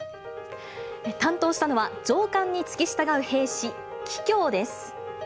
担当したのは、上官に付き従う兵士、キキョウです。